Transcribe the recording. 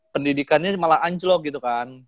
pendidikannya malah anjlok gitu kan